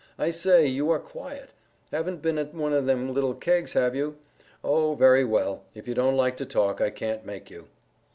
I say, you are quiet. Haven't been at one of them little kegs, have you? Oh, very well; if you don't like to talk, I can't make you."